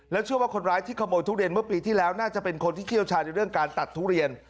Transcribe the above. เชื่อว่าคนร้ายที่ขโมยทุเรียนเมื่อปีที่แล้วน่าจะเป็นคนที่เชี่ยวชาญในเรื่องการตัดทุเรียน